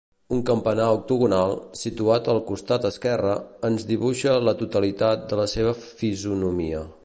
Un campanar octogonal, situat al costat esquerre, ens dibuixa la totalitat de la seva fisonomia.